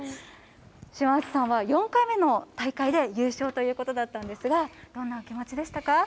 嶋内さんは４回目の大会で優勝ということだったんですがどんなお気持ちでしたか。